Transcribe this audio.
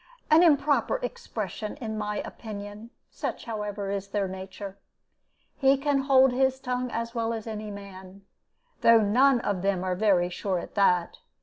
an improper expression, in my opinion; such, however, is their nature. He can hold his tongue as well as any man, though none of them are very sure at that.